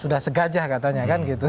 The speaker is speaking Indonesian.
sudah segajah katanya kan gitu